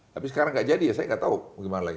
tapi sekarang gak jadi ya saya gak tahu gimana lagi